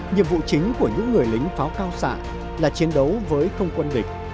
nhiệm vụ chính của những người lính pháo cao xạ là chiến đấu với không quân địch